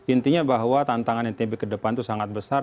intinya bahwa tantangan ntb ke depan itu sangat besar